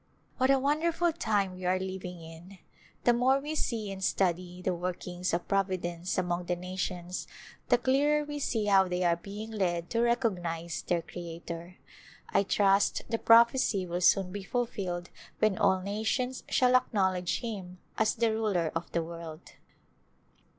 What a wonderful time we are living in — the more we see and study the workings of Providence among the nations the clearer we see how they are beino; led to reco2;nize their Creator. I trust the prophecy will soon be fulfilled when all nations shall acknowledge Him as the Ruler of the world.